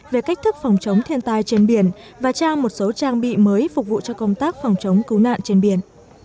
về cách thức phòng chống thiên tai trên biển và trao một số trang bị mới phục vụ cho công tác phòng chống cứu nạn trên biển